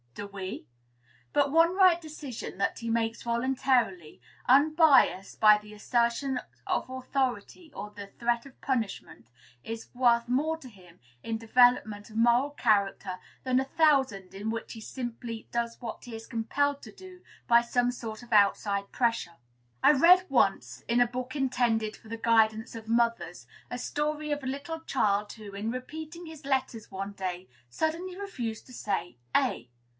Do we? But one right decision that he makes voluntarily, unbiassed by the assertion of authority or the threat of punishment, is worth more to him in development of moral character than a thousand in which he simply does what he is compelled to do by some sort of outside pressure. I read once, in a book intended for the guidance of mothers, a story of a little child who, in repeating his letters one day, suddenly refused to say A.